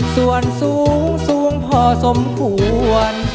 ส่วนสูงสูงพอสมควร